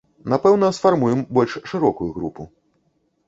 Напэўна, сфармуем больш шырокую групу.